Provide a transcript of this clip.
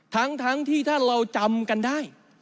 ทั้งที่ถ้าเราจำกันได้